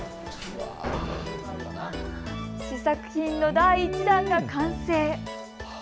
試作品の第１弾が完成。